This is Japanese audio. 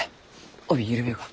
帯緩めようか？